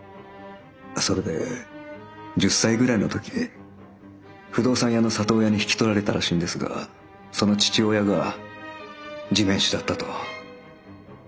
それで１０歳ぐらいの時不動産屋の里親に引き取られたらしいんですがその父親が地面師だったと。